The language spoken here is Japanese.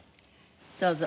どうぞ。